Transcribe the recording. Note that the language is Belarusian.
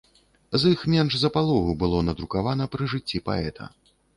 З іх менш за палову было надрукавана пры жыцці паэта.